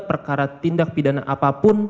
perkara tindak pidana apapun